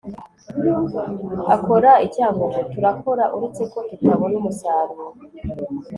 akora i cyangugu. turakora uretse ko tutabona umusaruro